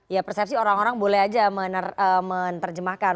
ya persepsi orang orang boleh aja menerjemahkan